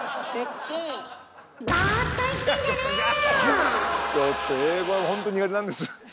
ちょっと英語はほんと苦手なんです。